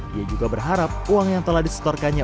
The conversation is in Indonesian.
dia juga berharap uang yang telah disetorkannya